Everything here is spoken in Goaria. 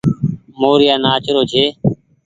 موريآ نآچ رو ڇي۔